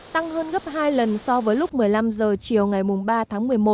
tăng hơn gấp hai lần so với lúc một mươi năm h chiều ngày ba tháng một mươi một